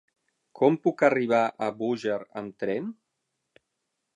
Com puc arribar a Búger amb tren?